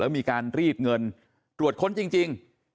มีการรีดเงินตรวจค้นจริง